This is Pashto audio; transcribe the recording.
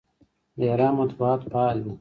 د ایران مطبوعات فعال دي.